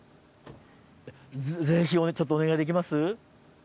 ぜひちょっとお願いできます？